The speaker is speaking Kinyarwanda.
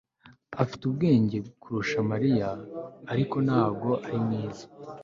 Afite ubwenge kurusha Mariya ariko ntabwo ari mwiza